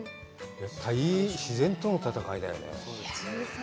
自然との戦いだよね。